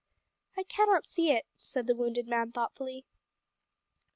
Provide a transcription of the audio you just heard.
"I cannot see it," said the wounded man thoughtfully.